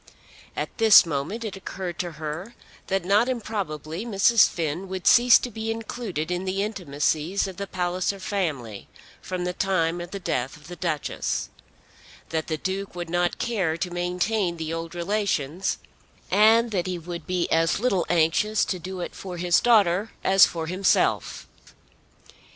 At this moment it occurred to her that not improbably Mrs. Finn would cease to be included in the intimacies of the Palliser family from the time of the death of the Duchess, that the Duke would not care to maintain the old relations, and that he would be as little anxious to do it for his daughter as for himself.